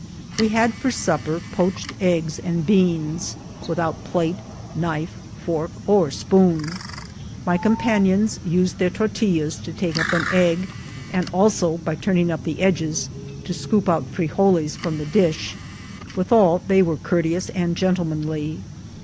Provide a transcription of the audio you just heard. We had for supper poached eggs and beans, without plate, knife, fork, or spoon. My companions used their tortillas to take up an egg, and also, by turn ing up the edges, to scoop out frigoles from the dish ; withal, they were courteous and gentlemanly.